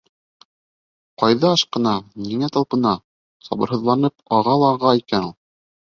Ҡайҙа ашҡына, ниңә талпына, сабырһыҙланып аға ла аға икән ул?